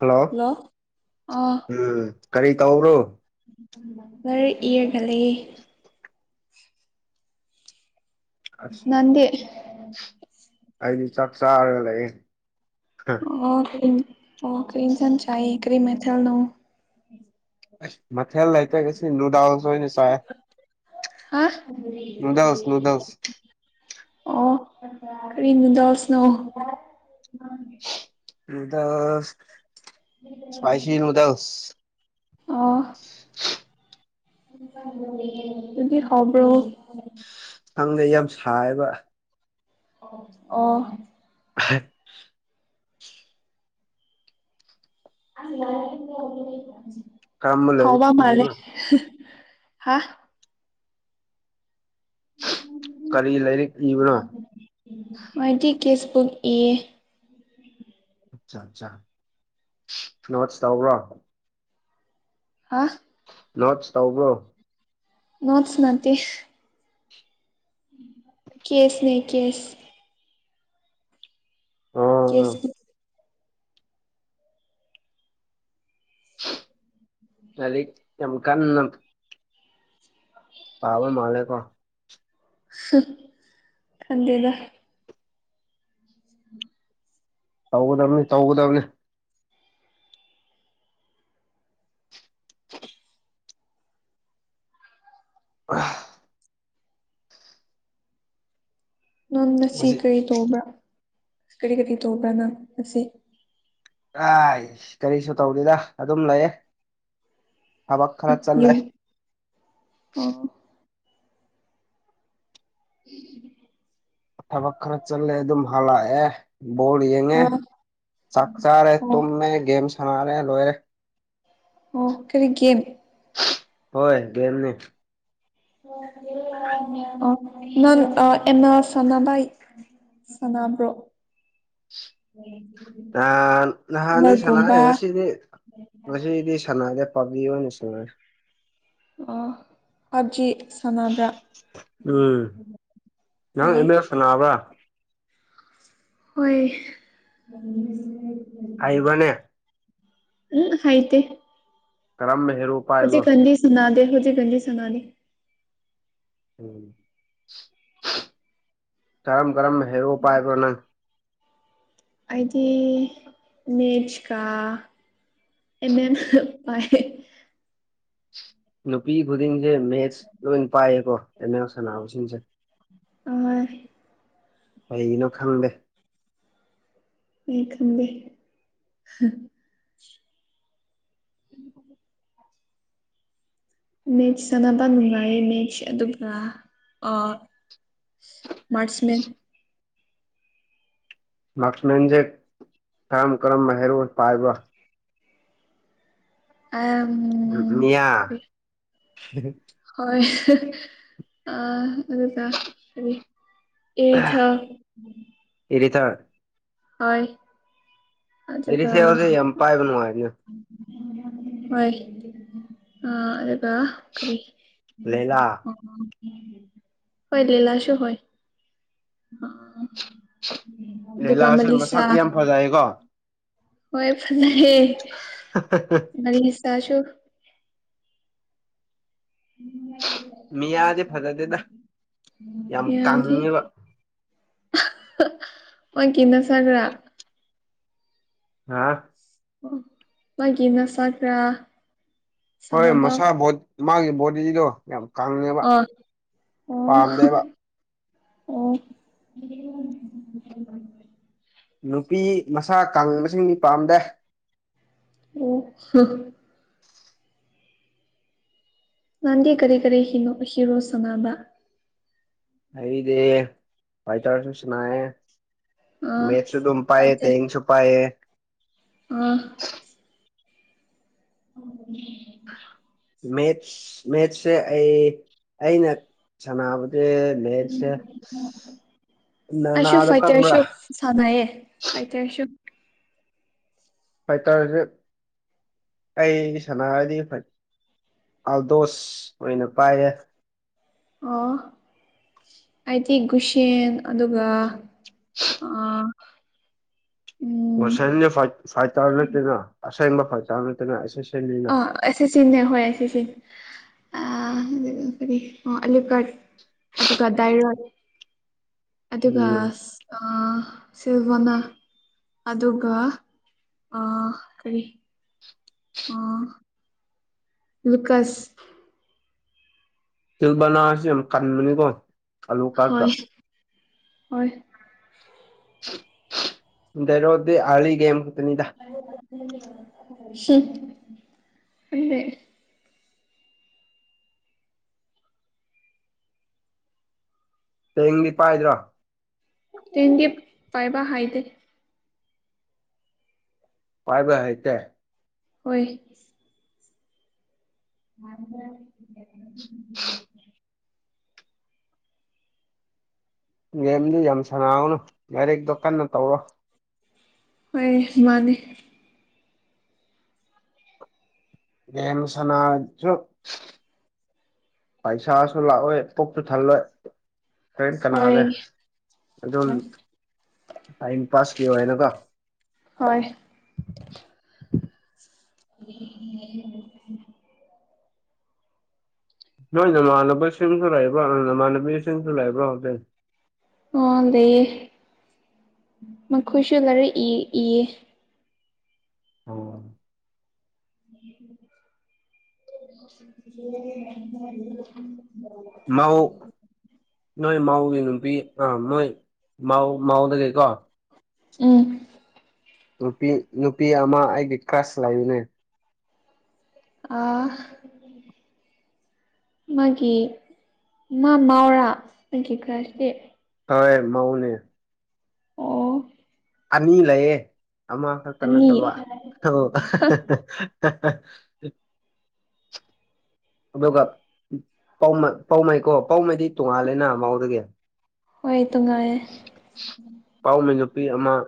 hello ꯎꯝ ꯀꯔꯤ ꯇꯧꯕ꯭ꯔꯣ ꯃꯔꯔ ꯏꯒꯦ ꯑꯁ ꯑꯩꯗꯤ ꯆꯥꯛ ꯆꯥꯔꯒ ꯂꯩꯌꯦ ꯑꯣ ꯑꯣ ꯀꯔꯤ ꯆ ꯆ ꯀꯔꯤ ꯃꯊꯦꯜꯅ ꯑꯁ ꯃꯊꯦꯜ ꯂꯩꯇ ꯀꯩꯁꯤ ꯅꯨꯗꯥꯜꯁ ꯑꯣꯏꯅꯤ ꯆꯥꯏ ꯍꯥ ꯅꯨꯗꯜꯁ ꯅꯨꯗꯜꯁ ꯑꯣ ꯀꯔꯤ ꯅꯨꯗꯣꯁꯅꯣ ꯑꯗ ꯁꯃꯥꯏꯁꯤ ꯅ ꯎꯗꯁ ꯑꯣ ꯑꯗꯨꯗꯤ ꯍꯕ꯭ꯔꯣ ꯈꯪꯗꯦ ꯌꯥꯝ ꯁꯥꯏꯕ ꯑꯣ [inaudible] ꯀꯔꯝꯕ ꯍꯥꯎ ꯂꯥꯏꯔꯤꯛ ꯃꯥꯂꯦ ꯏꯕꯅꯣ ꯍꯥꯥ ꯀꯔꯤ ꯂꯥꯏꯔꯤꯛ ꯏꯕꯅꯣ ꯃꯥꯏꯗꯤꯤ ꯀꯦꯁꯕꯨꯛ ꯑꯦ ꯑꯠ ꯑꯠꯆꯥ ꯁ ꯅꯁ ꯇꯎ꯭ꯔꯣ ꯍꯥ ꯅꯣꯠꯁ ꯇꯧꯕ ꯅꯠ ꯁꯅꯥꯇ ꯀꯦꯁꯅꯦ ꯀꯦꯁ ꯑꯣ ꯑꯣ ꯆꯦꯁ ꯑꯜꯂꯤ ꯅꯃ ꯀꯟꯅ ꯄꯥꯕꯜ ꯃꯥꯂꯦ ꯀꯣ ꯁ ꯀꯥꯟꯗꯦꯗ ꯎ ꯇꯧꯒꯗꯕꯅꯤ ꯇꯧꯒꯗꯕꯅꯤ ꯑ ꯅꯪ ꯉꯁꯤ ꯀꯔꯤ ꯇꯧꯕ꯭ꯔꯥ ꯀꯔꯤ ꯀꯔꯤ ꯇꯧꯕ꯭ꯔꯥ ꯅꯪ ꯉꯁꯤ ꯇꯥꯏ ꯀꯔꯤꯁꯨ ꯇꯧꯔꯤꯗ ꯑꯗꯨꯝ ꯂꯩꯌꯦ ꯍꯥꯕ ꯈꯔ ꯌꯨꯝ ꯆꯜꯂꯏ ꯑꯣ ꯎꯝ ꯄ ꯄꯔ ꯆꯜꯂꯦ ꯑꯗꯨꯝ ꯍꯂ ꯑꯦ ꯕꯣꯜ ꯌꯦꯡꯉꯦ ꯑꯥ ꯆꯥꯛ ꯆꯥꯔꯦ ꯑꯣ ꯇꯨꯝꯃꯦ ꯒꯦꯝ ꯁꯥꯟꯅꯔꯦ ꯂꯣꯏꯔꯦ ꯑꯣ ꯀꯔꯤ ꯦꯃꯤ ꯍꯣꯏ ꯦꯦꯝꯅꯦ ꯑ ꯅꯥꯟ ꯑ ꯑꯦꯟꯅꯁꯅ ꯥꯏ ꯁꯅꯥꯝꯕ꯭ꯔꯣ ꯅꯍꯥꯟ ꯅꯍꯥꯟꯗꯤ ꯁꯅꯔꯦ ꯉꯁꯤꯗꯤ ꯉꯁꯤꯗꯤ ꯁꯅꯔꯔꯦ ꯄꯕꯂꯤꯑꯣ ꯅꯁꯂꯔ ꯑ ꯄꯞꯖꯤ ꯁꯥꯟꯅꯕ꯭ꯔꯥ ꯎꯝ ꯅꯪ ꯑꯦ ꯑꯦꯝ ꯑꯦꯜ ꯁꯥꯟꯅꯕ꯭ꯔꯥ ꯍꯣꯏ ꯍꯥꯏꯕꯅꯦ ꯎꯝ ꯍꯥꯏꯥꯏꯇ ꯀꯔꯝꯃꯦ ꯍꯧꯖꯤꯛ ꯀꯗꯤ ꯁꯅꯥꯗꯦ ꯍꯧꯖꯤꯛ ꯀꯗꯤ ꯁꯅꯥꯗ ꯀꯔꯝ ꯀꯔꯝ ꯍꯦꯔ ꯄꯥꯏꯕ꯭ꯔꯣ ꯅꯪ ꯑꯩꯗꯤ ꯃꯤꯦꯆꯀ ꯑꯦꯃꯦ ꯄꯥꯏ ꯅꯨꯄꯤ ꯈꯨꯗꯤꯡꯁꯦ ꯃꯦꯠꯁ ꯂꯣꯏ ꯄꯥꯏꯌꯦꯀꯣ ꯑꯦꯝ ꯑꯦ ꯁꯅꯥꯅꯕꯁꯤꯡꯁꯦ ꯑ ꯀꯩꯅꯣ ꯈꯪꯗꯦ ꯃ ꯈꯝꯕꯦ ꯎꯝ ꯃꯦꯦꯛꯁ ꯁꯥꯟꯅꯕ ꯅꯨꯡꯉꯥꯏꯌꯦ ꯃꯦꯛꯠꯁ ꯑꯗꯨꯒ ꯃꯥꯔꯁꯃꯦꯟ ꯃꯁ ꯃꯟꯖꯦ ꯀꯥꯝ ꯀ꯭ꯔꯝ ꯃꯦꯍꯔꯣ ꯄꯥꯜꯕ ꯑ ꯎ ꯑ ꯑꯗꯨ ꯆꯔꯤ ꯑꯩꯊ ꯏꯔꯤꯊꯔ ꯍꯣꯏ ꯑꯗꯨꯒ ꯑꯦꯔꯤꯁꯤ ꯍꯧꯖꯤ ꯑꯝꯄꯥꯏꯕꯅꯅꯨꯡꯉꯔꯗ ꯍꯣꯏ ꯑ ꯀꯔꯤ ꯂꯩꯂꯥ ꯍꯣꯏ ꯂꯂꯥꯁꯣ ꯍꯣꯏ ꯑꯗꯨꯒ ꯂꯤꯂꯥꯁꯦ ꯃꯂꯤꯁꯥ ꯃꯁꯛ ꯌꯥꯝ ꯐꯖꯩꯀꯣ ꯍꯣꯏ ꯐ ꯃꯔꯔꯤ ꯁꯥꯁꯨꯣ ꯎꯝ ꯃꯤ ꯌꯥꯗꯤꯦ ꯐꯖꯗꯦꯗ ꯌꯥꯝ ꯌꯥꯗꯦ ꯀꯥꯅꯤꯡꯉꯦꯕ [unintelligible] ꯋꯥ ꯀꯅ ꯁꯥꯒ꯭ꯔꯥ ꯍꯥꯥ ꯃꯥꯒꯤꯅ ꯁꯥꯒ꯭ꯔꯥ ꯍꯣꯏ ꯃꯁꯥ ꯣ ꯃꯥꯒꯤ ꯕꯣꯗꯤꯗꯣ ꯌꯥꯝ ꯀꯪꯉꯦꯕ ꯑ ꯑꯣ ꯄꯥꯝꯗꯦꯕ ꯑꯣ ꯅꯨꯄꯤ ꯃꯁꯥ ꯀꯉꯕꯁꯤꯡꯒꯤ ꯄꯥꯝꯗꯦ ꯑꯣ ꯅꯥꯟꯗꯤ ꯀꯔꯤ ꯀꯔꯤ ꯍꯅꯣ ꯍꯤꯔꯣ ꯁꯅꯥꯕ ꯑꯩꯗ ꯐꯥꯏ ꯊꯔꯁꯨ ꯁꯅꯥꯌꯦ ꯑꯥ ꯃꯦꯊꯁꯨ ꯑꯗꯨ ꯎꯝ ꯄꯑ ꯇꯁꯨ ꯄꯑ ꯑ ꯑꯣ ꯃꯦꯠꯁ ꯃꯦꯠꯁꯁꯦ ꯑꯩ ꯑꯩꯅ ꯁꯥꯟꯅꯕ ꯑ ꯃꯦꯁ ꯑꯁꯨꯣ ꯐꯥꯏꯇꯔ ꯑꯁꯨ ꯁꯅꯑ ꯐꯥꯏꯇ ꯑꯁꯨꯣ ꯍꯥꯏꯥꯏꯇꯥꯔꯗꯤꯦ ꯑꯩ ꯁꯅꯥꯗꯤ ꯐ ꯑꯜꯗꯣꯁ ꯑꯣꯏꯅ ꯄꯥꯏꯌꯦꯦ ꯑ ꯍꯥꯏꯗꯤ ꯒꯨꯁꯦꯟ ꯑꯗꯨꯒ ꯎꯝ ꯁꯟꯒꯤ ꯐꯥꯏ ꯇꯥꯔ ꯅꯠꯇꯅ ꯑꯁꯦꯡꯕ ꯐꯥꯏ ꯇꯥꯔ ꯅꯠꯇꯅ ꯑ ꯑꯦꯁꯤ ꯆꯤꯟꯦ ꯍ ꯑꯦꯁꯤ ꯆꯤꯟ [unintelligible] ꯑꯣ ꯑꯂꯤꯒꯔ ꯑꯗꯨꯒ ꯗꯥꯏꯔ ꯑꯗꯨꯕ ꯎꯝ ꯑ ꯁꯤꯜꯚꯣꯅꯥ ꯑꯗꯨꯒ ꯀꯔꯤ ꯑꯥ ꯂꯨꯀꯥꯁ ꯇꯜꯕꯅꯥꯁ ꯀꯥꯟꯃꯅꯤ ꯀꯣ ꯀꯂꯨ ꯀꯥꯒꯥ ꯑꯣꯏ ꯗꯔꯣꯗꯤ ꯑꯂꯤꯒꯦꯦꯝ ꯎ ꯑꯗꯨꯃꯦ ꯇꯦꯡꯗꯤ ꯄꯥꯏꯗ꯭ꯔꯥ ꯇꯦꯟꯒꯤ ꯄꯥꯏꯕ ꯍꯥꯏꯗꯦ ꯄꯥꯏꯕ ꯍꯥꯏꯇ ꯍꯣꯏ ꯑꯔꯝꯕ ꯌꯦꯦꯝꯗꯨ ꯌꯥꯝ ꯁꯅꯥꯥꯎꯅꯨ ꯌꯥꯔꯤꯛꯇꯣ ꯀꯟꯅ ꯇꯧꯔꯣ ꯍꯣꯏ ꯃꯥꯅꯦ ꯔꯦꯝ ꯁꯅꯥꯁꯨ ꯄꯩꯁꯥꯁꯨ ꯂꯥꯛꯑꯣꯦ ꯀꯣꯛꯁꯨ ꯊꯜꯂꯣꯏ ꯀꯔꯤꯦꯟ ꯍꯣꯏ ꯀꯅꯥꯅꯦ ꯑꯗꯨꯝ ꯍꯣꯏ ꯇꯥꯏꯝ ꯄꯥꯁ ꯄ ꯍꯥꯏꯅ ꯀ ꯍ [unintelligible] ꯅꯣꯏ ꯅꯃꯥꯟꯅꯕꯁꯤꯡꯁꯨ ꯂꯩꯕ꯭ꯔꯣ ꯅꯃꯥꯟꯅꯕꯤꯁꯤꯡꯁꯨ ꯂꯩꯕ꯭ꯔꯥ ꯍꯧꯖꯦ ꯑꯣ ꯂꯩꯑ ꯃꯈꯣꯏꯁꯨ ꯂꯥꯏꯔꯤꯛ ꯏꯌꯦ [unintelligible] ꯃꯥ ꯃꯥꯎꯒꯤ ꯅꯨꯄꯤ ꯑꯥ ꯃꯣꯏ ꯃꯥꯎ ꯃꯥꯎꯗ ꯀꯩꯀꯣ ꯎꯝ ꯅꯨꯄꯤ ꯑꯃ ꯑꯩꯒꯤ ꯀ꯭ꯂꯥꯁ ꯂꯥꯏꯌꯨꯅꯤ ꯑꯥ ꯃꯥꯒꯤ ꯃꯥ ꯃꯥꯎꯔꯥ ꯑꯩꯒꯤ ꯈꯔꯁꯤꯗꯤ ꯈꯔ ꯃꯅꯦ ꯑꯣ ꯑꯅꯤ ꯂꯩꯌꯦ ꯑꯃꯈꯛꯇ ꯑꯅꯤ ꯅꯠꯇꯕ [unintelligible] ꯑꯗꯨꯒ ꯄꯥꯎꯃꯩꯀꯣ ꯄꯥꯎꯃꯩꯗꯤ ꯇꯣꯡꯉꯥꯜꯂꯦꯅ ꯃꯥꯎꯗꯒꯤ ꯍꯣꯏ ꯇꯣꯉꯥꯏꯌꯦꯦ ꯄꯥꯎꯃꯩ ꯅꯨꯄꯤ ꯑꯃ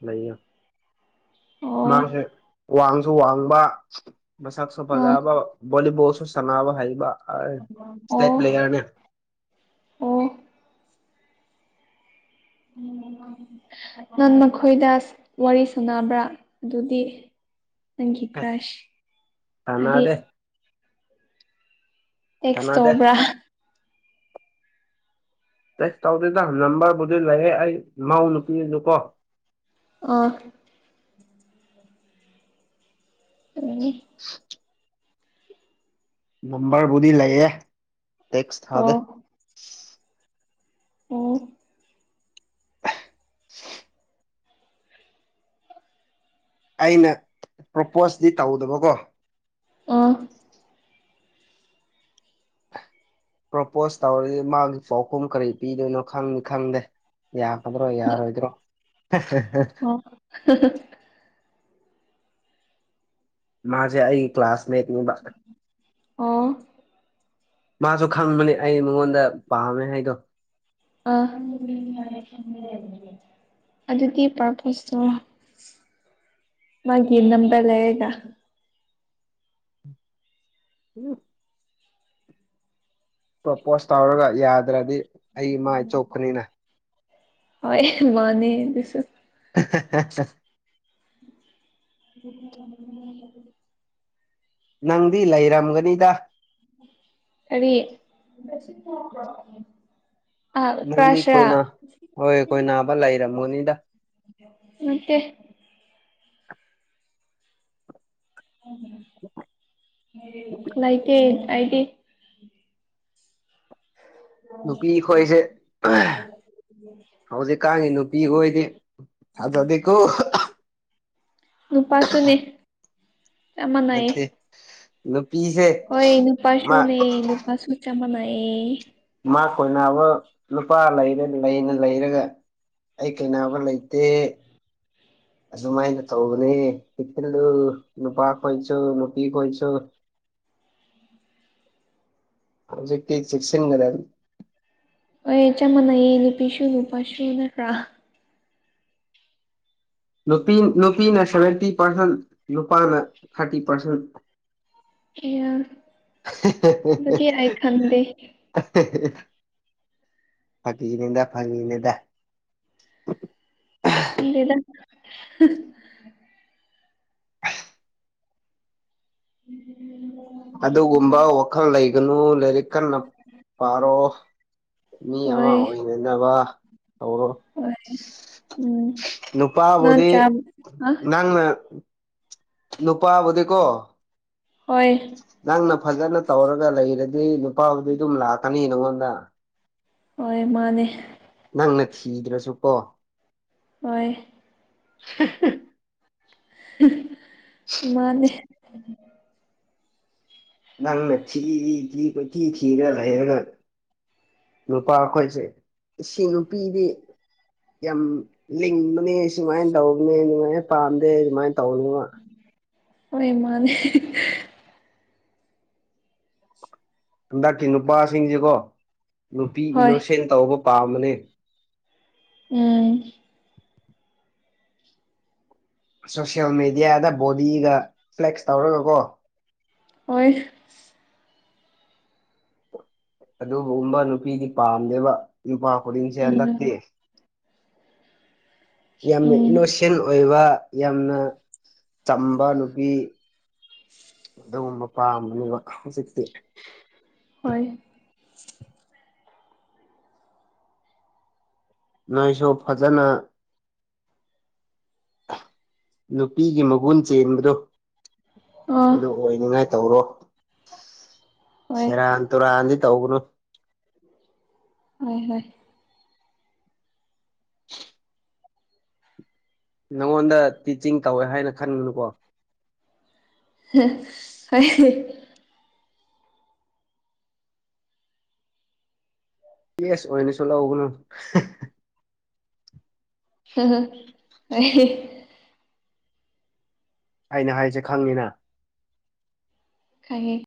ꯂꯩꯌ ꯑꯣ ꯃꯥꯁꯦ ꯋꯥꯡꯁꯨ ꯋꯥꯡꯕ ꯃꯁꯛꯁꯨ ꯑꯣ ꯐꯖꯕ ꯣꯂꯤꯕꯣ ꯁꯅꯕ ꯍꯩꯕ ꯑꯣ ꯏꯁꯇꯦꯠ ꯄ꯭ꯂꯦꯌꯥꯔꯅꯦ ꯑꯣ ꯅꯪ ꯃꯈꯣꯏꯗ ꯋꯥꯔꯤ ꯁꯥꯟꯅꯕ꯭ꯔꯥ ꯑꯗꯨꯗꯤ ꯅꯪꯒꯤ ꯀ꯭ꯔꯥꯥꯁ ꯐꯅꯥꯗꯦ ꯇꯦꯛꯁ ꯁꯥꯟꯅꯗꯦ ꯇꯧꯕ꯭ꯔꯥ ꯇꯦꯁ ꯇꯧꯗꯣꯏꯗ ꯅꯝꯕꯔꯕꯨꯗꯤ ꯂꯩꯔꯦ ꯑꯩ ꯃꯧ ꯅꯨꯄꯤ ꯑꯗꯨ ꯀꯣ ꯑꯣ ꯑ ꯅꯝꯕꯔꯕꯨꯗꯤ ꯂꯩꯌꯦ ꯇꯦꯛꯁ ꯊꯥꯗꯦ ꯑꯣ ꯑꯣ ꯑꯩꯅ ꯄ꯭ꯔꯣꯄꯣꯁꯇꯤ ꯇꯧꯗꯕꯀꯣ ꯑꯥ ꯄ꯭ꯔꯣꯄꯣꯁ ꯇꯧꯔꯗꯤ ꯃꯥꯒꯤ ꯄꯥꯎꯈꯨꯝ ꯀꯔꯤ ꯄꯤꯗꯣꯏꯅꯣ ꯈꯪꯅꯤ ꯈꯪꯗꯦ ꯌꯥ ꯑꯗꯨ꯭ꯔꯣ ꯌꯥꯔꯣ ꯏ꯭ꯔꯣ ꯑꯣ ꯃꯥꯖꯤꯦ ꯑꯏ ꯀ ꯀ꯭ꯂꯁꯃꯦꯦꯠ ꯃꯤ ꯑꯣ ꯃꯥꯁꯨ ꯈꯪꯕꯅꯦ ꯑꯩ ꯃꯉꯣꯟꯗ ꯄꯥꯝꯃꯦ ꯍꯥꯏꯗꯣ ꯑ ꯑꯗꯨꯗꯤ ꯄꯥꯔꯄꯣꯁ ꯇꯧꯔ ꯃꯥꯒꯤ ꯅꯝꯕꯝꯕ ꯂꯩꯑꯦꯒ ꯎꯝ ꯄꯣꯄꯣꯁ ꯇꯧꯔꯒ ꯌꯥꯗ꯭ꯔꯗꯤ ꯑꯩ ꯃꯥꯏ ꯆꯣꯛꯄꯅꯤꯅ ꯍ ꯃꯥꯅꯦꯁꯨ [inaudible] ꯑꯗꯨ ꯅꯪꯗꯤ ꯂꯩꯔꯝꯒꯅꯤꯗ ꯑꯔꯤ ꯅꯪꯗꯤ ꯀꯣꯏꯅ ꯍꯣꯏ ꯀꯣꯏ ꯅꯥꯕ ꯂꯩꯔꯝꯃꯣꯅꯤꯗ ꯅꯠꯇ‌ꯦ ꯂꯩꯥꯏꯇ‌ꯦ ꯑꯩꯗꯤ ꯅꯨꯄꯤ ꯈꫭꯏꯁꯦ ꯍꯧꯖꯤꯛꯀꯒꯤ ꯅꯨꯄꯤ ꯈꫭꯏꯗꯤ ꯊꯥꯖꯗꯦꯀꯣ ꯅꯨꯄꯥꯁꯨꯅꯦ ꯆꯞꯃꯅꯩ ꯅꯠꯇꯦ ꯅꯨꯄꯤꯁꯦ ꯍꯣꯏ ꯃꯥ ꯅꯨꯄꯥꯁꯨꯅꯦ ꯅꯨꯄꯥꯁꯨ ꯆꯞ ꯃꯅꯩꯌꯦ ꯃꯥ ꯀꯣꯏꯅꯥꯅꯕ ꯅꯨꯄꯥ ꯂꯩꯔ ꯂꯩꯅ ꯂꯩꯔꯒ ꯑꯩ ꯀꯩꯅꯕ ꯂꯩꯇꯦ ꯑꯗꯨꯃꯥꯏꯅ ꯇꯧꯕꯅꯤ ꯆ‌ꯦꯛꯁꯤꯟꯂꯨ ꯅꯨꯄꯥ ꯈꯣꯏꯁꯨ ꯅꯨꯄꯤ ꯈꯣꯏꯁꯨ ꯍꯧꯖꯤꯀꯤ ꯆꯤꯛꯁꯤꯟꯒꯗꯕꯅꯤ ꯍꫭꯏ ꯆꯞ ꯃꯥꯟꯅꯩꯌꯦ ꯅꯨꯄꯤꯁꯨ ꯅꯨꯄꯥꯁꯨ ꯅꯠꯇ꯭ꯔꯥ ꯅꯨꯄꯤ ꯅꯨꯄꯤꯅ ꯁꯚꯦꯟꯇꯤ ꯄꯥꯔꯁꯦꯟ ꯅꯨꯄꯥꯅ ꯊꯥꯔꯇꯤ ꯄꯥꯔꯁꯦꯟ ꯑꯌꯥ ꯑꯗꯨꯗꯤ ꯑꯩ ꯈꯟꯗꯦ [unintelligible] [unintelligible] ꯐꯒꯤꯅꯤꯗ ꯐꯒꯤꯅꯤꯗ ꯈꯪꯗ‌ꯦꯗ ꯎꯝ [unintelligible] ꯑꯗꯨꯒꯨꯝꯕ ꯋꯥꯈꯜ ꯂꯩꯒꯅꯨ ꯂꯥꯏꯔꯤꯛ ꯀꯟꯅ ꯄꯥꯔꯣ ꯃꯤ ꯑꯃ ꯍꯣꯏ ꯑꯣꯏꯅꯅꯕ ꯇꯧꯔꯣ ꯍꯣꯏ ꯎꯝ ꯅꯪ ꯅꯨꯄꯥꯕꯨꯗꯤ ꯆꯥ ꯑ ꯅꯪꯅ ꯅꯨꯄꯥꯕꯨꯗꯤꯀꯣ ꯍꯣꯏ ꯅꯪꯅ ꯐꯖꯅ ꯇꯧꯔꯒ ꯂꯩꯔꯗꯤ ꯑꯗꯨꯗꯤ ꯅꯨꯄꯥꯕꯨꯗꯤ ꯑꯗꯨꯝ ꯂꯥꯛꯀꯅꯤ ꯅꯉꯣꯟꯗ ꯍꯣꯏ ꯃꯥꯅꯦ ꯅꯪꯅ ꯊꯤꯗ꯭ꯔꯁꯨ ꯀꯣ ꯍꫭꯏ [unintelligible] ꯃꯥꯅꯦ ꯅꯪꯅ ꯊꯤ ꯊꯤ ꯀꯣꯏ ꯊꯤ ꯊꯤꯔꯒ ꯂꯩꯔꯒ ꯅꯨꯄꯥ ꯑꯩꯈꯣꯏꯁꯦ ꯁꯤ ꯅꯨꯄꯤꯗꯤ ꯌꯥꯝ ꯂꯤꯡꯕꯅꯦ ꯁꯨꯃꯥꯏꯅ ꯇꯧꯕꯅꯤ ꯁꯨꯃꯥꯏꯅ ꯄꯥꯝꯗꯦ ꯑꯗꯨꯃꯥꯏꯅ ꯇꯧ [unintelligible] ꯍꯣꯏ ꯃꯥꯅꯦ ꯍꯟꯗꯛꯀꯤ ꯅꯨꯄꯥꯁꯤꯡꯁꯤꯀꯣ ꯅꯨꯄꯤ ꯍꯣꯏ ꯏꯅꯣꯁꯦꯟ ꯇꯧꯕ ꯄꯥꯝꯕꯅꯦ ꯎꯝ ꯁꯣꯁꯤꯌꯦꯜ ꯃꯦꯗꯤꯌꯥꯗ ꯕꯣꯗꯤꯒ ꯐ꯭ꯂꯦꯛꯁ ꯇꯧꯔꯒꯀꯣ ꯑꯣꯏ ꯑꯗꯨꯒꯨꯝꯕ ꯅꯨꯄꯤꯗꯤ ꯄꯥꯝꯗꯦꯕ ꯅꯨꯄꯥ ꯈꯨꯗꯤꯡꯁꯦ ꯍꯟꯗꯛꯇꯤ ꯎꯝ ꯌꯥꯝꯅ ꯎꯝ ꯏꯂꯣꯁꯤꯟ ꯑꯣꯏꯕ ꯌꯥꯝꯅ ꯆꯝꯕ ꯅꯨꯄꯤ ꯑꯗꯨꯒꯨꯝꯕ ꯃꯄꯥꯝꯕꯅꯤꯕ ꯍꯧꯖꯤꯛꯇꯤ ꯍꯣꯏ ꯅꯣꯏꯁꯨ ꯐꯖꯅ ꯅꯨꯄꯤꯒꯤ ꯃꯒꯨꯟ ꯆꯦꯟꯕꯗꯣ ꯑ ꯑꯗꯨ ꯑꯣꯏꯅꯤꯡꯉꯥꯏ ꯇꯧꯔꯣ ꯍꯣꯏ ꯁꯦꯔꯥꯟ ꯇꯨꯔꯥꯟꯗꯤ ꯇꯧꯒꯅꯨ ꯍꫭꯏ ꯍꯣꯏ ꯅꯪꯉꯣꯟꯗ ꯇꯤꯆꯤꯡ ꯇꯧꯋꯦ ꯍꯥꯏꯅ ꯈꯟꯒꯅꯨꯀꯣ ꯑꯩ [unintelligible] ꯌꯦꯁ ꯑꯣꯏꯅꯁꯨ ꯂꯧꯒꯅꯨ ꯑ [unintelligible] ꯑꯩꯅ ꯍꯥꯏꯁꯦ ꯈꯪꯉꯤꯅ ꯈꯪꯉ‌ꯦ